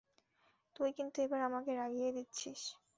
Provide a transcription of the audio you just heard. তুই কিন্তু এবার আমাকে রাগিয়ে দিচ্ছিস!